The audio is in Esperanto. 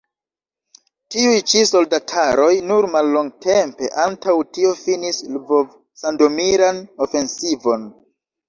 Tiuj ĉi soldataroj nur mallongtempe antaŭ tio finis Lvov-sandomiran ofensivon.